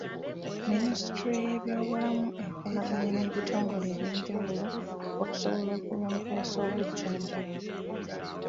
Minisitule y'ebyobulamu ekolaganye n'ebitongole eby'enjawulo okusobola okulongoosa obujjanjabi.